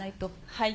はい。